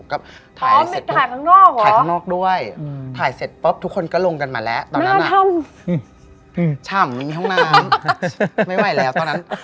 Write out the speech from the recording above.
ก็ถ่ายเสร็จถ่ายข้างนอกถ่ายข้างนอกด้วยถ่ายเสร็จปุ๊บทุกคนก็ลงกันมาแล้วตอนนั้นฉ่ำมีห้องน้ำไม่ไหวแล้วตอนนั้น